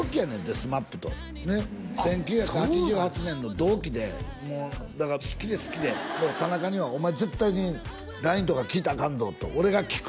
ＳＭＡＰとね１９８８年の同期でもうだから好きで好きでだから田中には「お前絶対にＬＩＮＥとか聞いたらアカンぞ」と「俺が聞く」